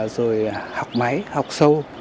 rồi học máy học sâu